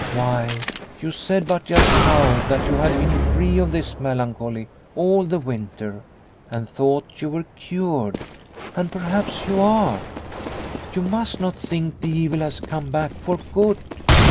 Why, you said but just now that you had been free of this melancholy all the winter, and thought you were cured. And perhaps you are. You must not think the evil has come back for good.